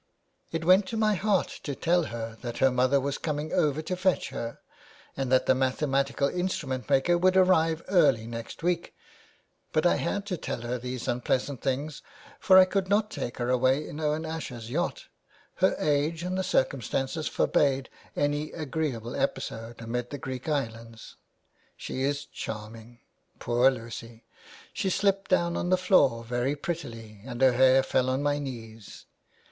It went to my heart to tell her that her mother was coming over to fetch her, and that the mathematical instrument maker would arrive early next week. But I had to tell her these unpleasant things, for I could not take her away in Owen Asher's yacht, her age and the circumstances forebade an agreeable episode amid the Greek Islands. She is charming ... Poor Lucy ! She slipped down on the floor very prettily and her hair fell on my knees.